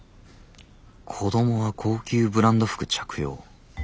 子供は高級ブランド服着用。